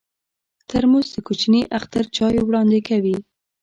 ترموز د کوچني اختر چای وړاندې کوي.